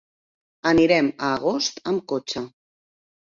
Anirem a Agost amb cotxe.